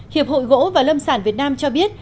hiệp hội gỗ và lâm sản việt nam cho biết